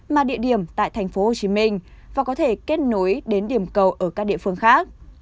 mà địa điểm tại tp hcm và có thể kết thúc tổ chức lễ tưởng niệm